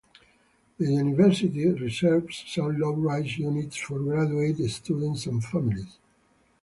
The university reserves some low rise units for graduate students and families.